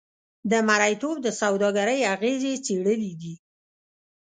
د مریتوب د سوداګرۍ اغېزې څېړلې دي.